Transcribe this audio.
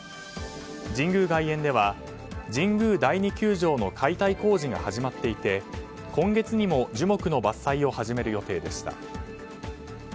神宮外苑では、神宮第２球場の解体工事が始まっていて今月にも樹木の伐採を始める予定でした。